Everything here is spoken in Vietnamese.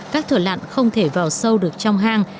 các thợ lạn không thể vào sâu được trong hang